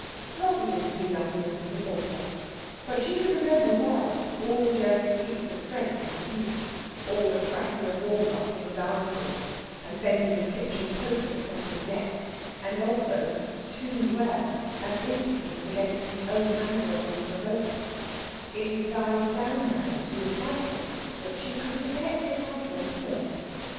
Rosalind knew nothing of Mr. Salter, but she could remember well all Gerry's feats of strength in his youth all the cracking of walnuts in his arm joints and bending of kitchen pokers across his neck and also, too well, an impotence against his own anger when provoked; it had died down now to a trifle, but she could detect the trifle still.